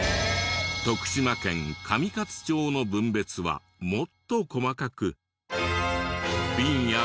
徳島県上勝町の分別はもっと細かく。